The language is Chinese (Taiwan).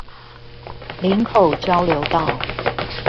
林口交流道